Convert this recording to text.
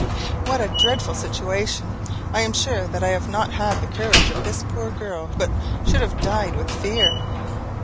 "What a dreadful situation! I am sure that I should not have had the courage of this poor girl, but should have died with fear."